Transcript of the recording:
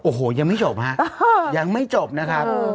โอ้โหยังไม่จบฮะยังไม่จบนะครับ